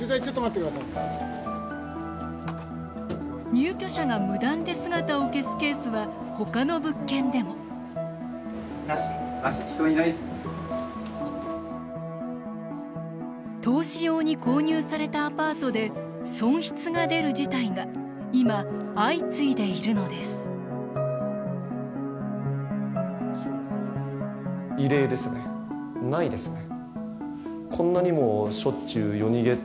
入居者が無断で姿を消すケースは他の物件でも投資用に購入されたアパートで損失が出る事態が今、相次いでいるのです一体、何が起きているのか。